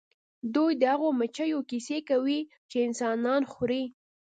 دوی د هغو مچیو کیسې کوي چې انسانان خوري